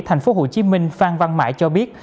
thành phố hồ chí minh phan văn mãi cho biết